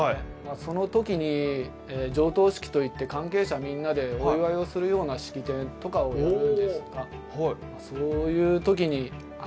そのときに上棟式と言って関係者みんなでお祝いをするような式典とかをやるんですがそういうときにあ